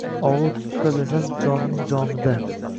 Og’u tutqazasan jonning jomida